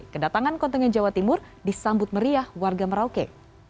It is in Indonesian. kedatangan kontingen jawa timur disambut meriah warga merauke